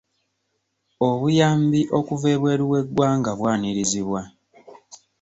Obuyambi okuva ebweru w'eggwanga bwanirizibwa.